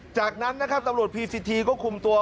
จากนั้นนะครับตำรวจพีซีทีก็คุมตัว